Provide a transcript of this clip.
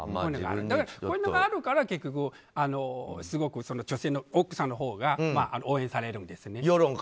こういうのがあるから結局、すごく女性の奥さんのほうが応援されるんですよね。